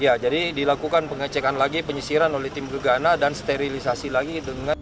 ya jadi dilakukan pengecekan lagi penyisiran oleh tim gegana dan sterilisasi lagi dengan